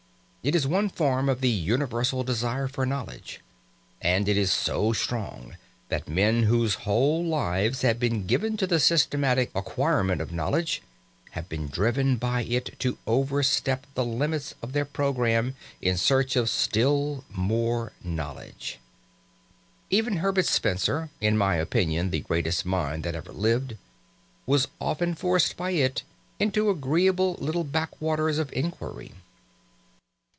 It is one form of the universal desire for knowledge. And it is so strong that men whose whole lives have been given to the systematic acquirement of knowledge have been driven by it to overstep the limits of their programme in search of still more knowledge. Even Herbert Spencer, in my opinion the greatest mind that ever lived, was often forced by it into agreeable little backwaters of inquiry.